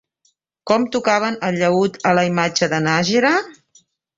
Com tocaven el llaüt a la imatge de Nájera?